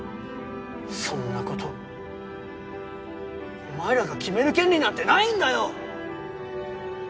そんな事お前らが決める権利なんてないんだよ！